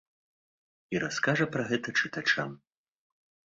І раскажа пра гэта чытачам.